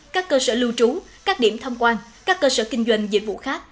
các cơ sở lưu trú các điểm thăm quan các cơ sở kinh doanh dịch vụ khác